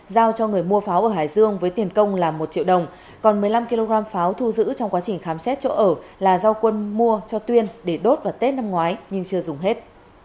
giao cho người mua pháo ở hải dương với tiền công là một triệu đồng còn một mươi năm kg pháo thu giữ trong quá trình khám xét chỗ ở là do quân mua cho tuyên để đốt vào tết năm ngoái nhưng chưa dùng hết